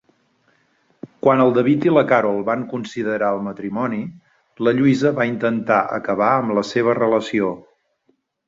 Quan el David i la Carol van considerar el matrimoni, la Lluïsa va intentar acabar amb la seva relació.